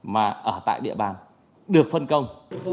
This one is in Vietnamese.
mà ở tại địa bàn được phân công